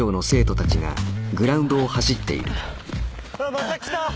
また来た！